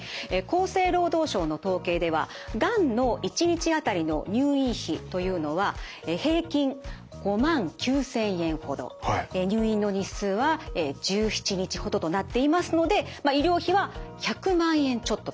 厚生労働省の統計ではがんの１日あたりの入院費というのは平均５万９，０００円ほど入院の日数は１７日ほどとなっていますのでまあ医療費は１００万円ちょっととなります。